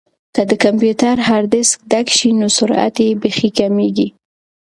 که د کمپیوټر هارډیسک ډک شي نو سرعت یې بیخي کمیږي.